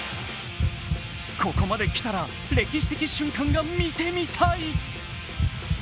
ここまで来たら歴史的瞬間が見てみたい。